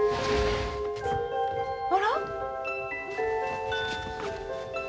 あら？